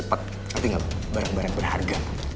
barang barang yang berharga